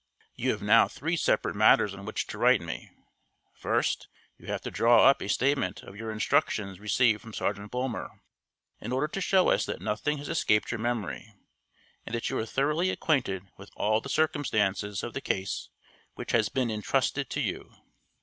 You have now three separate matters on which to write me. First, you have to draw up a statement of your instructions received from Sergeant Bulmer, in order to show us that nothing has escaped your memory, and that you are thoroughly acquainted with all the circumstances of the case which has been intrusted to you.